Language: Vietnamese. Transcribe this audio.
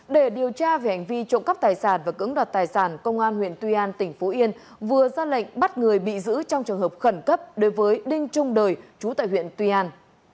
để điều tra về hành vi trộm cắp tài sản và cưỡng đoạt tài sản công an huyện tuy an tỉnh phú yên vừa ra lệnh bắt người bị giữ trong trường hợp khẩn cấp đối với đinh trung đời chú tại huyện tuy an